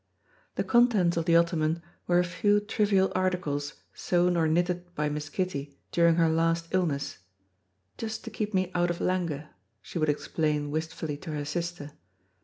The contents of the ottoman were a few trivial articles sewn or knitted by Miss Kitty during her last illness, "just to keep me out of languor," she would explain wistfully to her sister.